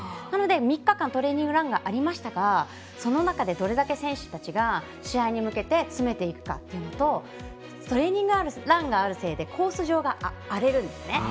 なので、３日間トレーニングランがありましたがその中でどれだけ選手たちが試合に向けて詰めていくかというのとトレーニングランがあるせいでコース上が荒れるんですね。